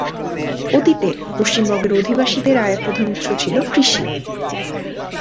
অতীতে, পশ্চিমবঙ্গের অধিবাসীদের আয়ের প্রধান উৎস ছিল কৃষি।